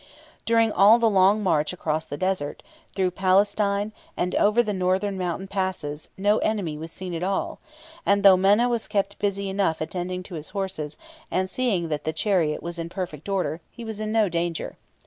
During all the long march across the desert, through Palestine, and over the northern mountain passes, no enemy was seen at all, and, though Menna was kept busy enough attending to his horses and seeing that the chariot was in perfect order, he was in no danger.